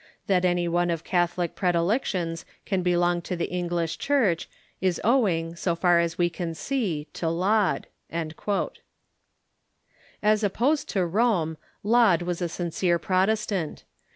..^ Ihat anyone of Catholic predilections can belong to the English Church is owing, so far as we can see, to Laud." As opposed to Rome, Laud was a sincere Protestant.